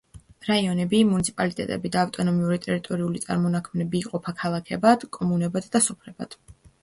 რაიონები, მუნიციპალიტეტები და ავტონომური ტერიტორიული წარმონაქმნები იყოფა ქალაქებად, კომუნებად და სოფლებად.